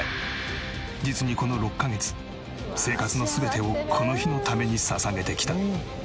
実にこの６カ月生活の全てをこの日のために捧げてきた。